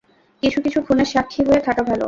কিছু কিছু খুনের সাক্ষী হয়ে থাকা ভালো।